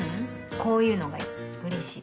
こういうのがいい嬉しい